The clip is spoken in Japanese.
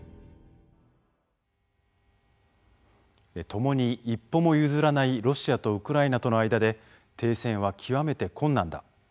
ともに一歩も譲らないロシアとウクライナとの間で停戦は極めて困難だ。